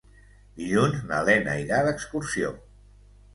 Dilluns na Lena irà d'excursió.